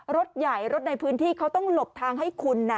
รถใหญ่รถในพื้นที่เขาต้องหลบทางให้คุณ